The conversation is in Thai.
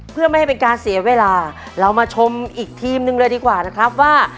เพื่อไม่ให้เป็นการเสียเวลาเรามาชมอีกทีมหนึ่งเลยดีกว่านะครับว่า